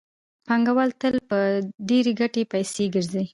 پانګوال تل په ډېرې ګټې پسې ګرځي